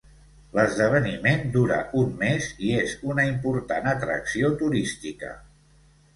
L'esdeveniment dura un mes i és una important atracció turística.